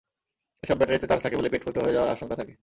এসব ব্যাটারিতে চার্জ থাকে বলে পেট ফুটো হয়ে যাওয়ার আশঙ্কা থাকে।